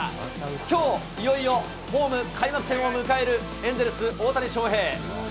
きょういよいよホーム開幕戦を迎えるエンゼルス、大谷翔平。